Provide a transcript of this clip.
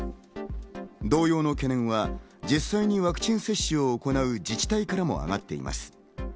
同様の懸念は実際にワクチン接種を行う自治体からもあがっています。